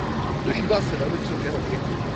Dožívá se velmi vysokého věku.